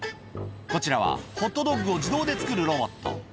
こちらはホットドッグを自動で作るロボット。